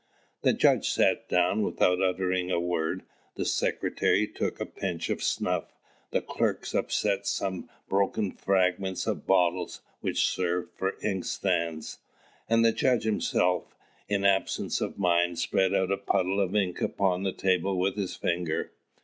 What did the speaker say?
The judge sat down without uttering a word; the secretary took a pinch of snuff; the clerks upset some broken fragments of bottles which served for inkstands; and the judge himself, in absence of mind, spread out a puddle of ink upon the table with his finger.